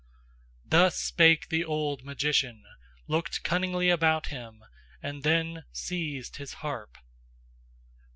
Thus spake the old magician, looked cunningly about him, and then seized his harp.